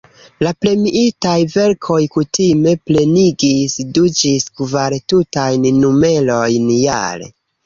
La premiitaj verkoj kutime plenigis du ĝis kvar tutajn numerojn jare.